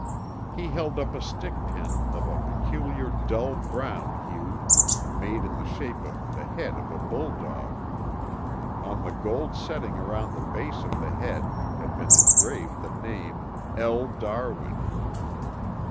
He held up a stick pin of a peculiar dull brown hue, made in the shape of the head of a bulldog. On the gold setting around the base of the head had been engraved the name, L. Darwin.